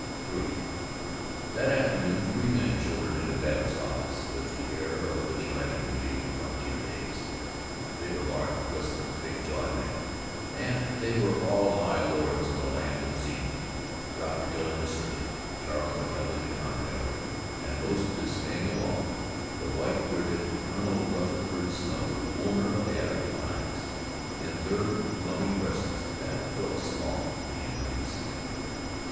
III That afternoon three men shouldered into Babbitt's office with the air of a Vigilante committee in frontier days. They were large, resolute, big jawed men, and they were all high lords in the land of Zenith Dr. Dilling the surgeon, Charles McKelvey the contractor, and, most dismaying of all, the white bearded Colonel Rutherford Snow, owner of the Advocate Times. In their whelming presence Babbitt felt small and insignificant.